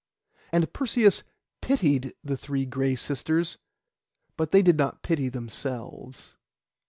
And Perseus pitied the three Gray Sisters; but they did not pity themselves.